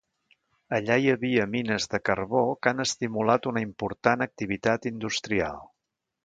Allà hi havia mines de carbó que han estimulat una important activitat industrial.